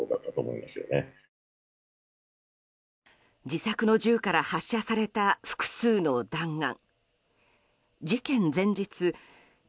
自作の銃から発射された複数の弾丸。